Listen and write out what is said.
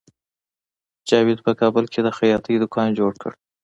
جاوید په کابل کې د خیاطۍ دکان جوړ کړ